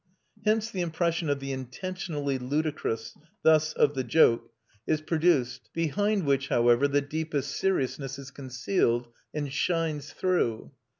Hence the impression of the intentionally ludicrous, thus of the joke, is produced, behind which, however, the deepest seriousness is concealed and shines through.